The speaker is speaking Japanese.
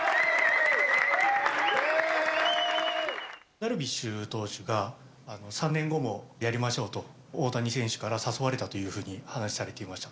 ダルビッシュ投手が、３年後もやりましょうと、大谷選手から誘われたというふうに話されていました。